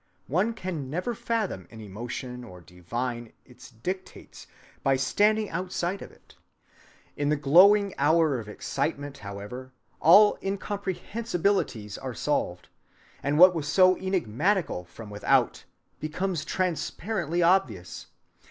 One can never fathom an emotion or divine its dictates by standing outside of it. In the glowing hour of excitement, however, all incomprehensibilities are solved, and what was so enigmatical from without becomes transparently obvious.